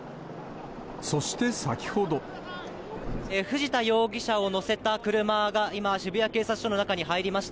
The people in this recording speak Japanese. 藤田容疑者を乗せた車が、今、渋谷警察署の中に入りました。